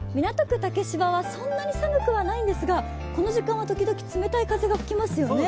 竹芝はそんなに寒くはないんですが、この時間はときどき冷たい風が吹きますよね。